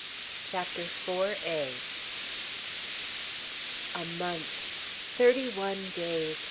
CHAPTER IV "A month! Thirty one days!